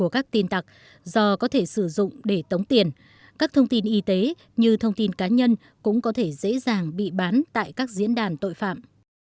các thông tin y tế như thông tin cá nhân cũng có thể dễ dàng bị bán tại các diễn đàn tội phạm